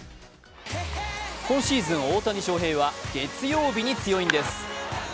今シーズン、大谷翔平は月曜日に強いんです。